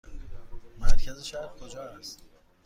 مرکز شهر کجا است؟